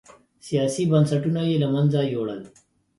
سیاسي بنسټونه یې له منځه یووړل.